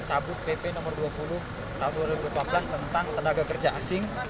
cabut pp nomor dua puluh tahun dua ribu empat belas tentang tenaga kerja asing